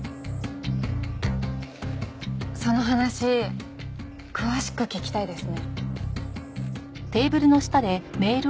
その話詳しく聞きたいですね。